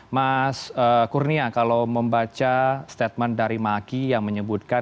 mas kurnia kalau membaca statement dari maki yang menyebutkan